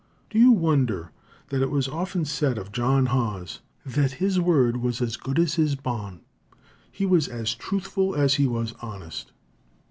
Do you wonder that it was often said of John Haws that his word was as good as his bond? He was as truthful as he was honest.